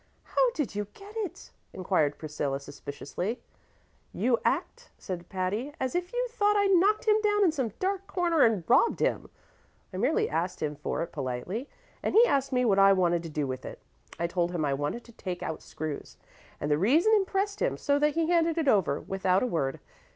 "How did you get it?" inquired Priscilla, suspiciously. "You act," said Patty, "as if you thought I knocked him down in some dark corner and robbed him. I merely asked him for it politely, and he asked me what I wanted to do with it. I told him I wanted to take out screws, and the reason impressed him so that he handed it over without a word.